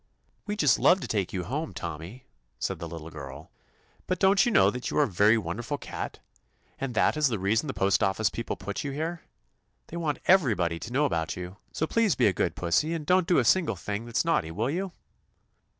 "We 'd just love to take you home, Tommy," said the little girl, "but don't you know that you are a very wonderful cat, and that is the reason TOMMY POSTOFFICE the postoffice people put you here? They want everybody to know about you. So please be a good pussy, and don't do a single thing that 's naughty, will you?"